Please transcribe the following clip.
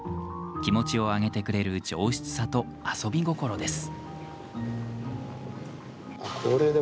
気持ちを上げてくれる上質さと遊び心です。